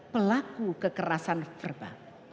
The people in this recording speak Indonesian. pelaku kekerasan verbal